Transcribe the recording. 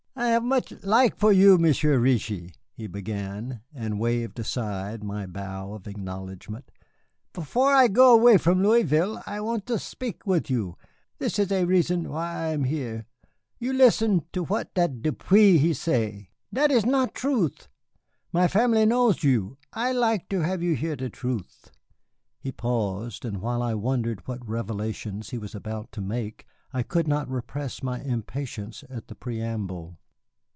"I have much laik for you, Monsieur Reetchie," he began, and waved aside my bow of acknowledgment "Before I go away from Louisville I want to spik with you, this is a risson why I am here. You listen to what dat Depeau he say, dat is not truth. My family knows you, I laik to have you hear de truth." He paused, and while I wondered what revelations he was about to make, I could not repress my impatience at the preamble.